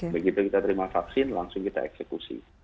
begitu kita terima vaksin langsung kita eksekusi